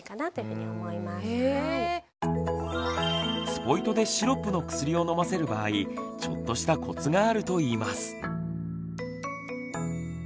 スポイトでシロップの薬を飲ませる場合ちょっとしたコツがあるといいます。